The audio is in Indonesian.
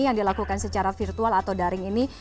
yang dilakukan secara virtual atau daring ini